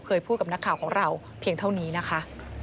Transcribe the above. เคยพูดกับนักข่าวของเราเพียงเท่านี้นะคะ